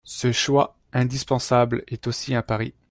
Ce choix indispensable est aussi un pari.